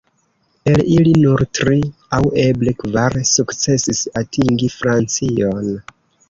El ili nur tri, aŭ eble kvar, sukcesis atingi Francion.